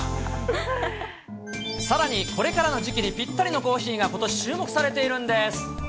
さらにこれからの時期にぴったりのコーヒーが、ことし注目されているんです。